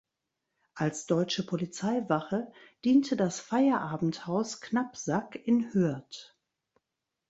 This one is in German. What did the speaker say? Als deutsche Polizeiwache diente das Feierabendhaus Knapsack in Hürth.